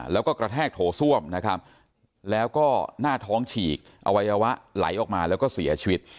แล้วก็กระแทกโถส้วมนะครับแล้วก็หน้าท้องฉีกอวัยวะไหลออกมาแล้วก็เสียชีวิต